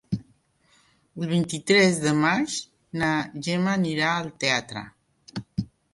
El vint-i-tres de maig na Gemma anirà al teatre.